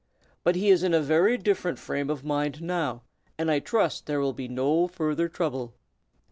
But he is in a very different frame of mind, now, and I trust there will be no further trouble."